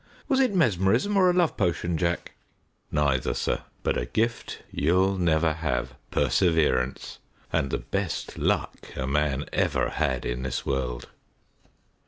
Was it mesmerism, or a love potion, Jack?" "Neither, sir, but a gift you'll never have perseverance and the best luck a man ever had in this world."